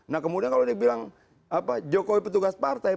nah kemudian kalau dibilang jokowi petugas partai